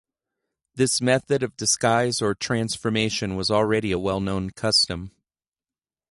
This method of disguise or transformation was already a well-known custom.